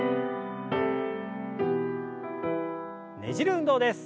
ねじる運動です。